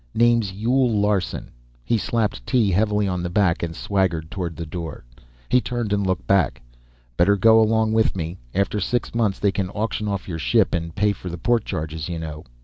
Name's Yule Larson." He slapped Tee heavily on the back and swaggered toward the door. He turned and looked back. "Better go along with me. After six months they can auction off your ship to pay for the port charges, you know."